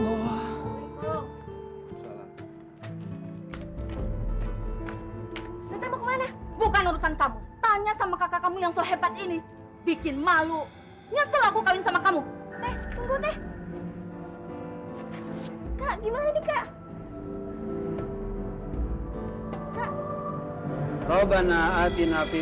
nita mau kemana